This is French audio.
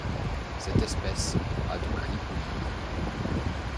Cette espèce a dos gris olive.